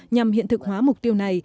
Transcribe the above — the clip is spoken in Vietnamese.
nhằm hiện thực hóa mục tiêu này